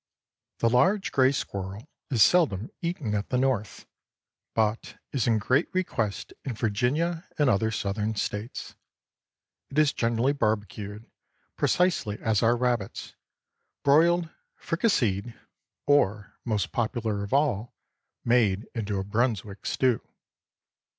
The large gray squirrel is seldom eaten at the North, but is in great request in Virginia and other Southern States. It is generally barbecued, precisely as are rabbits; broiled, fricasseed, or—most popular of all—made into a Brunswick stew.